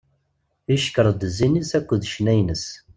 Icekkeṛ-d zzin-is akked ccna-ines.